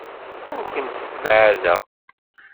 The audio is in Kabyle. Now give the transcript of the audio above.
Ur kent-ssebɛadeɣ.